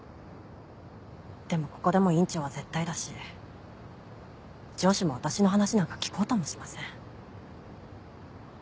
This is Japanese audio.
でもここでも院長は絶対だし上司も私の話なんか聞こうともしません。